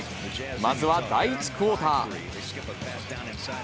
まずは第１クオーター。